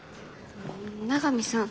長見さん。